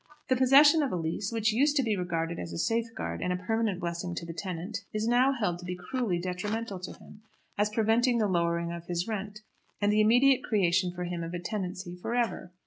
The possession of a lease, which used to be regarded as a safeguard and permanent blessing to the tenant, is now held to be cruelly detrimental to him, as preventing the lowering of his rent, and the immediate creation for him of a tenancy for ever.